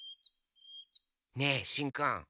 ねえしんくん